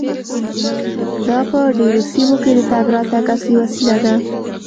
دا په ډیرو سیمو کې د تګ راتګ اصلي وسیله ده